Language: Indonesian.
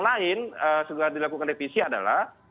lain segera dilakukan revisi adalah